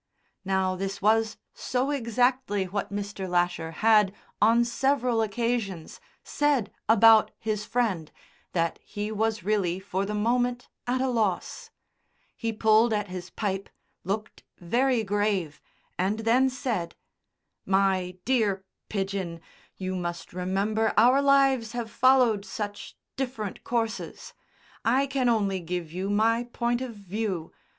'" Now this was so exactly what Mr. Lasher had, on several occasions, said about his friend that he was really for the moment at a loss. He pulled at his pipe, looked very grave, and then said: "My dear Pidgen, you must remember our lives have followed such different courses. I can only give you my point of view.